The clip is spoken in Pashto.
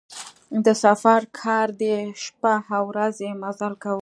د سفر کار دی شپه او ورځ یې مزل کاوه.